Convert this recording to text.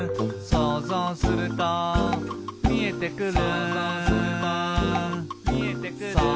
「そうぞうするとみえてくる」